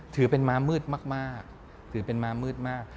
ถือเป็นมามืดมาก